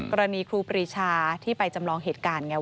ครูปรีชาที่ไปจำลองเหตุการณ์ไง